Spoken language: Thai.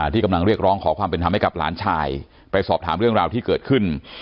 ที่กำลังเรียกร้องขอความเป็นธรรมให้กับหลานชายไปสอบถามเรื่องราวที่เกิดขึ้น